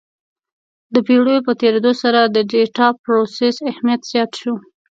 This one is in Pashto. د پېړیو په تېرېدو سره د ډیټا پروسس اهمیت زیات شو.